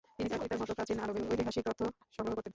তিনি তার পিতার মত প্রাচীন আরবের ঐতিহাসিক তথ্য সংগ্রহ করতেন।